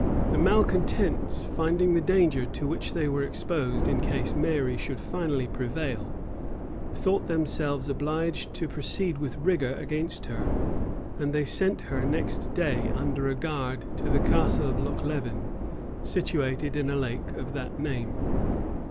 [] The malecontents, finding the danger to which they were exposed in case Mary should finally prevail, thought themselves obliged to proceed with rigor against her; and they sent her next day under a guard to the Castle of Lochlevin, situated in a lake of that name.